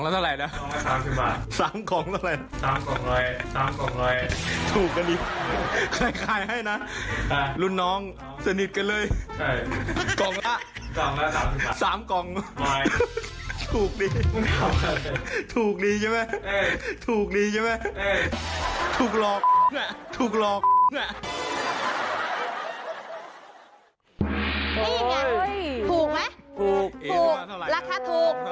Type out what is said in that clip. ทีนี้ค่ะถูกไหมถูกถูกราคาถูก